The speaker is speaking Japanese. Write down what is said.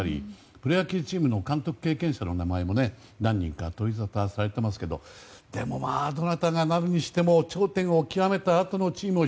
プロ野球チームの監督経験者の名前も取りざたされていますがでも、どなたがなるにしても頂点を極めたあとのチームを